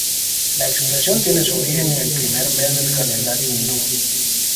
La expresión tiene su origen en el primer mes del calendario hindú.